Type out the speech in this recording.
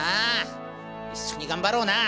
一緒に頑張ろうな！